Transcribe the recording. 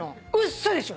嘘でしょ？